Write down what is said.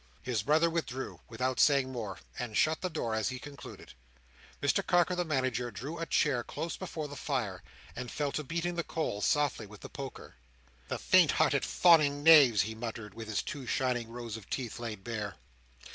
His brother withdrew, without saying more, and shut the door as he concluded. Mr Carker the Manager drew a chair close before the fire, and fell to beating the coals softly with the poker. "The faint hearted, fawning knaves," he muttered, with his two shining rows of teeth laid bare.